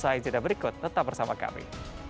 sampai jumpa di video berikut tetap bersama kami